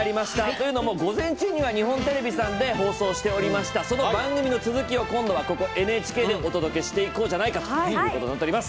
というのも午前中には日本テレビさんで放送していて番組の続きをＮＨＫでお届けしていこうじゃないかということになってます。